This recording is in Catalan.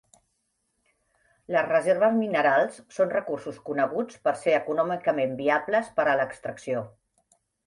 Les reserves minerals són recursos coneguts per ser econòmicament viables per a l'extracció.